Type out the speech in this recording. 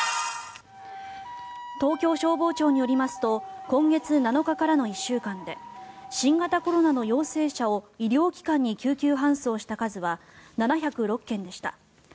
東京消防庁によりますと今月７日からの１週間で新型コロナの陽性者を医療機関に救急搬送した数は７０６件でした。